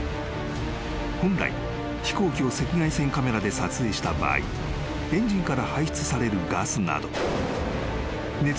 ［本来飛行機を赤外線カメラで撮影した場合エンジンから排出されるガスなど］